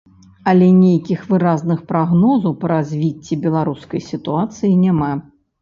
Але нейкіх выразных прагнозаў па развіцці беларускай сітуацыі няма.